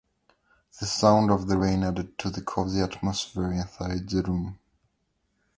The sound of the rain added to the cozy atmosphere inside the room.